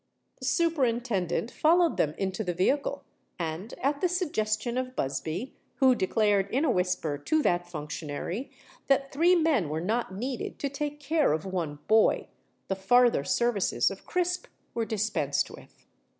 The Superintendent followed them into the vehicle; and, at the suggestion of Busby, who declared in a whisper to that functionary that three men were not needed to take care of one boy, the farther services of Crisp were dispensed with.